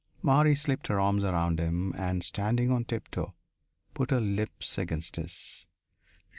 Marie slipped her arms around him and, standing on tiptoe, put her lips against his.